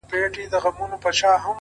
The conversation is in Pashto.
نور دي نو شېخاني كيسې نه كوي ـ